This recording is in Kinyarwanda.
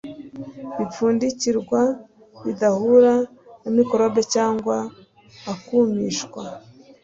bipfundikirwa bidahura na mikorobi cyangwa akumishwa.